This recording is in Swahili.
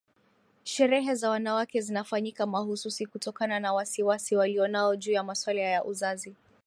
Sherehe za wanawake zinafanyika mahususi kutokana na wasiwasi walionao juu ya masuala ya uzazi